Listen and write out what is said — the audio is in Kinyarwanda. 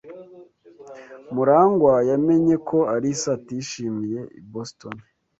Murangwa yamenye ko Alice atishimiye i Boston.